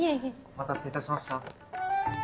お待たせいたしました。